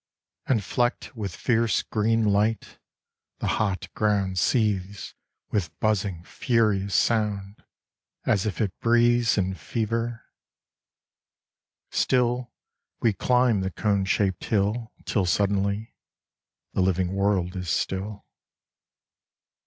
And flecked with fierce green light, the hot ground seethes With buzzing furious sound as if it breathes In fever; still we chmb the cone shaped hill Till suddenly the living world is still.